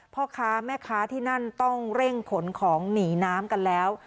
พ่อค้าแม่ค้าที่นั่นต้องเร่งขนของหนีน้ำกันแล้ว